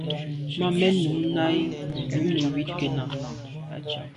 Màa nèn mum nà i num neywit kena.